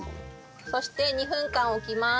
そして２分間置きます。